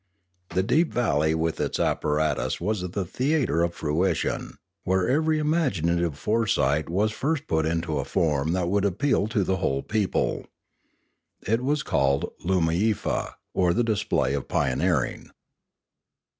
The deep valley with its apparatus was the theatre of futurition, where every imaginative foresight was first put into a form that would appeal to the whole people. It was called Loomiefa or the display of pioneering.